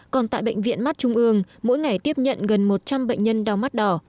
còn tại bệnh viện mắt trung ương mỗi ngày tiếp nhận gần một trăm linh bệnh nhân đau mắt đỏ